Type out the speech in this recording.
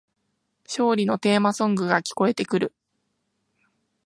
勝利のテーマソングが聞こえてくる